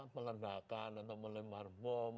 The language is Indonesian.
peledakan atau melempar bom